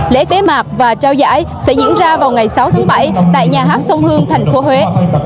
lễ khai mạc và trao giải sẽ diễn ra vào ngày sáu tháng bảy tại nhà hát sông hương thành phố huế